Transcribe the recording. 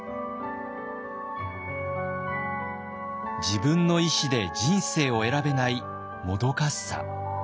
自分の意思で人生を選べないもどかしさ。